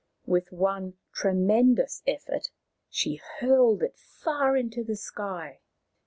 With one tremendous effort she hurled it far into the sky.